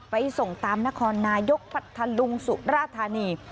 ไปส่งตามนครนายกพัทธลุงสุราธานี